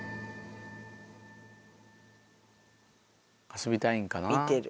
遊びたいんかな？